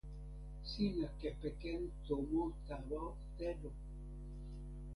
sina kepeken tomo tawa telo.